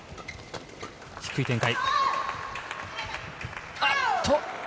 低い展開。